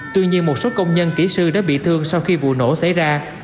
tuy nhiên một số công nhân kỹ sư đã bị thương sau khi vụ nổ xảy ra